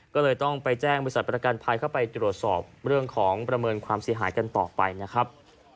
ก็เลยต้องไปแจ้งบริษัทประกันภัยเข้าไปตรวจสอบเรื่องของประเมินความเสียหายกันต่อไปนะครับ